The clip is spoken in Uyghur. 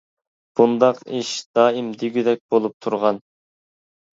بۇنداق ئىش دائىم دېگۈدەك بولۇپ تۇرغان.